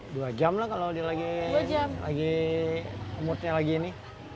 dua jam lah kalau dia lagi umurnya lagi ini